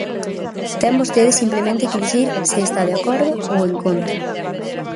Ten vostede simplemente que dicir se está de acordo ou en contra.